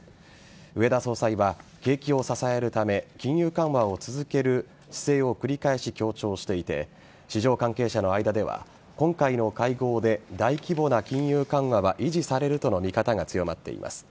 植田総裁は景気を支えるため金融緩和を続ける姿勢を繰り返し強調していて市場関係者の間では今回の会合で大規模な金融緩和は維持されるとの見方が強まっています。